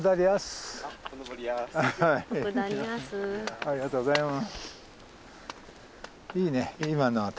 ありがとうございます。